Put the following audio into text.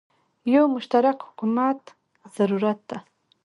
یو مشترک حکومت زوروت ده